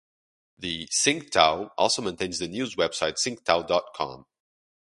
The "Sing Tao" also maintains the news website singtao dot com.